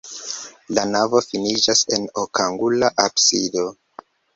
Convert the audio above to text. La navo finiĝas en okangula absido.